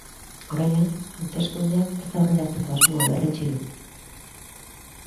Horrela, hauteskundeak ez aurreratzeko asmoa berretsi du.